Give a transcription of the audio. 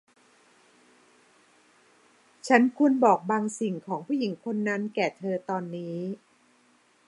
ฉันควรบอกบางสิ่งของผู้หญิงคนนั้นแก่เธอตอนนี้